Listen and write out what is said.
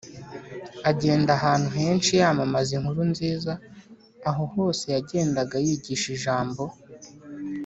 agenda ahantu henshi yamamaza inkuru nziza. aho hose yagendaga yigisha ijambo